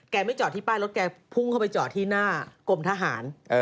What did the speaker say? ไม่จอดที่ป้ายรถแกพุ่งเข้าไปจอดที่หน้ากรมทหาร